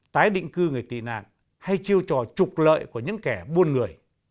tái định cư người tị nạn hay chiêu trò trục lợi của những kẻ buôn người